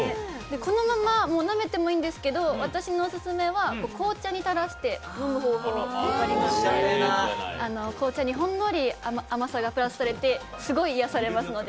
このままなめてもいいんですけど私のオススメは紅茶にたらして飲む方法がありまして紅茶にほんのり甘さがプラスされて、すごい癒やされますので。